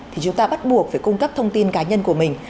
thì chúng ta bắt buộc phải cung cấp thông tin cá nhân của mình